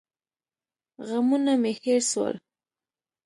غمونه مې هېر سول.